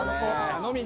飲みに。